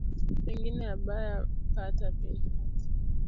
Bengine abaya pata bintu bia kwanza nabio kurima